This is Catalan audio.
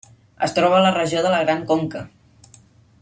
Es troba a la regió de la Gran Conca.